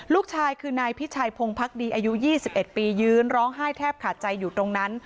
ลูกชายคือนายพิชัยพงภักดีอายุ๒๑ปียืนร้องไห้แทบขาดใจอยู่ตรงนั้น